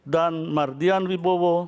dan mardian wibowo